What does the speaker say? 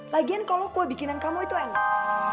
lagian kalau kue bikinan kamu itu enak